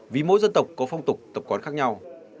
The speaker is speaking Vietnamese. vì mỗi dân tộc có phong tục tập quán khác nhau